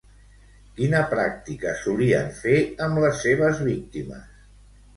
Quina pràctica solien fer amb les seves víctimes?